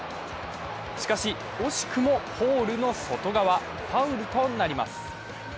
しかし、惜しくもポールの外側、ファウルとなります。